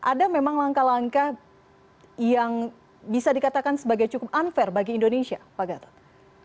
ada memang langkah langkah yang bisa dikatakan sebagai cukup unfair bagi indonesia pak gatot